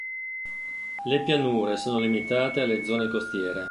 Le pianure sono limitate alle zone costiere.